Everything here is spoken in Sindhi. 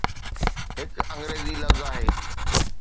هڪ انگريزي لفظ آهي.